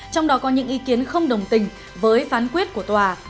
trong đó có những ý kiến không đồng tình với phán quyết của tòa